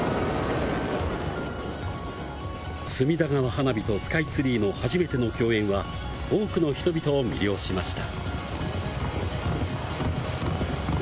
隅田川花火とスカイツリーの初めての共演は多くの人々を魅了しました。